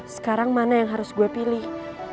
sekarang mana yang harus gue pilih